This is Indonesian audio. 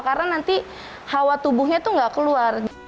karena nanti hawa tubuhnya tuh gak keluar